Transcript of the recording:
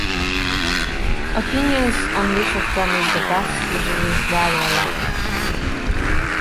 Opinions on which of them is the best usually vary a lot.